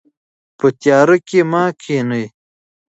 په تیاره کې مه کښینئ.